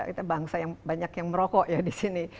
kita bangsa yang banyak yang merokok ya di sini